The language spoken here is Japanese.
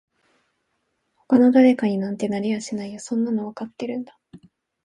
他の誰かになんてなれやしないよそんなのわかってるんだ